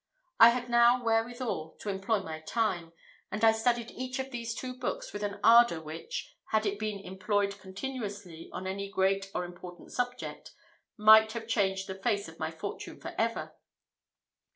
I had now wherewithal to employ my time, and I studied each of these two books with an ardour which, had it been employed continuously on any great or important subject, might have changed the face of my fortune for ever.